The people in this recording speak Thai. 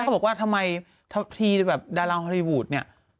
เขาบอกว่าทำไมทีแบบดาราฮอลลีวูดเนี่ย